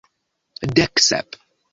Dek sep.